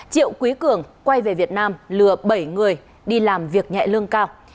triệu quý cường quay về việt nam lừa bảy người đi làm việc nhẹ lương cao